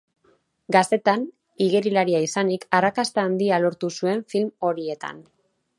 Gaztetan igerilaria izanik, arrakasta handia lortu zuen film horietan.